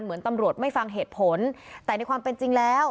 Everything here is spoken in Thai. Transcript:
เหมือนตำรวจไม่ฟังเหตุผลแต่ในความเป็นจริงแล้ว